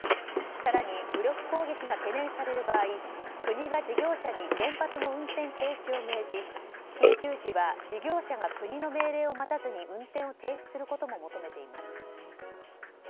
更に、武力攻撃が懸念される場合国が事業者に原発の運転停止を命じ、緊急時は事業者が国の命令を待たずに運転を停止することも求めています。